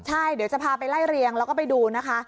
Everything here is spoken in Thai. ใช่เดี๋ยวจะพาไปไล่เรียงแล้วก็ไปดูนะคะ